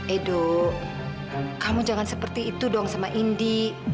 edo kamu jangan seperti itu dong sama indi